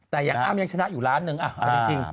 แต่อ้ำยังชนะอยู่ล้านหนึ่งอ้าวเป็นจริง